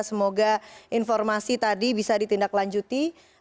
semoga informasi tadi bisa ditindaklanjuti